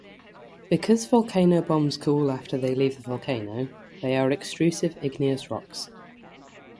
Because volcanic bombs cool after they leave the volcano, they are extrusive igneous rocks.